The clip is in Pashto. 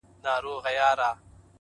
زما د اوښکي ـ اوښکي ژوند يوه حصه راوړې _